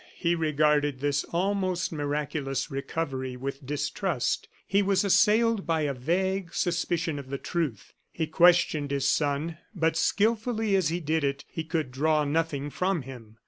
He regarded this almost miraculous recovery with distrust; he was assailed by a vague suspicion of the truth. He questioned his son, but skilfully as he did it, he could draw nothing from him.